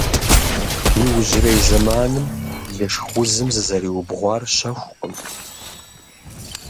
Иужьрей зэманым лышх узым зэрызиубгъуар щэхукъым.